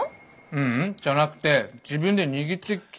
ううんじゃなくて自分で握ってきてるみたいっす。